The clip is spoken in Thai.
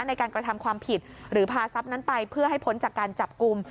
ในการกระทำความผิดหรือพาทรัพย์นั้นไปเพื่อให้พ้นจากการจับกลุ่ม